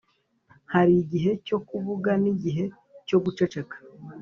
hari igihe cyo kuvuga nigihe cyo guceceka